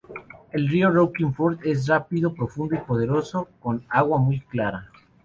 El río Roaring Fork es rápido, profundo y poderoso, con agua muy clara.